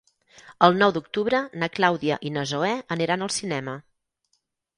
El nou d'octubre na Clàudia i na Zoè aniran al cinema.